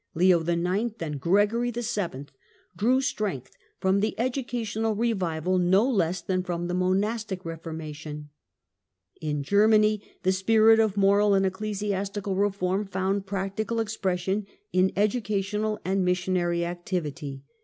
Leo IX. and Gregory VII. drew strength from the educational revival no less truly than from the monastic reformation. Mission In Germany the spirit of moral and ecclesiastical reform found practical expression in educational and missionary activity.